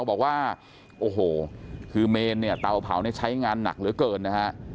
บอกว่าเมนเตาเผาใช้งานหนักเหลือเกิน